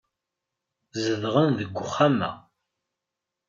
Zedɣen deg uxxam-a.